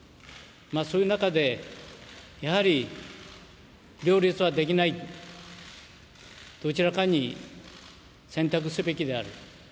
そういう中で、やはり両立はできない、どちらかに選択すべきである。